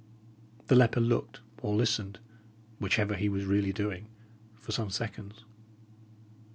The leper looked or listened, whichever he was really doing, for some seconds.